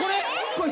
これ？